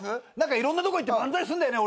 いろんなとこ行って漫才すんだよね